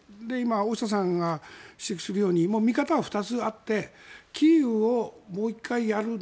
大下さんが指摘するように見方は２つあってキーウをもう１回やる